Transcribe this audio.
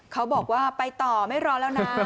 เขาบอกว่าไปต่อไม่รอแล้วนะ